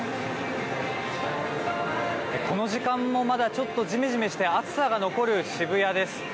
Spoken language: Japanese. この時間もまだちょっとじめじめして暑さが残る渋谷です。